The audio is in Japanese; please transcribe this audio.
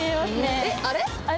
えっあれ？